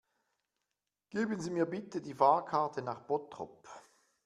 Geben Sie mir bitte die Fahrkarte nach Bottrop